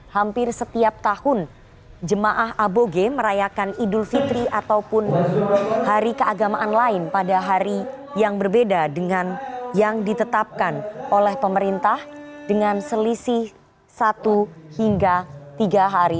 hampir setiap tahun jemaah aboge merayakan idul fitri ataupun hari keagamaan lain pada hari yang berbeda dengan yang ditetapkan oleh pemerintah dengan selisih satu hingga tiga hari